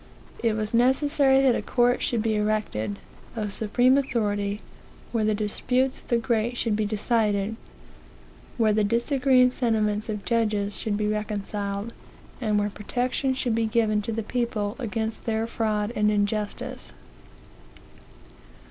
It was necessary that a court should be erected, of supreme authority, where the disputes of the great should be decided, where the disagreeing sentiments of judges should be reconciled, and where protection should be given to the people against their fraud and injustice.